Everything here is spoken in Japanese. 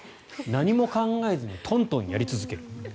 何も考えずにトントンやり続ける。